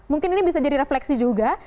mungkin ini bisa jadi refleksi juga